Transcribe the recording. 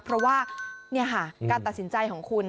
เพราะว่าการตัดสินใจของคุณ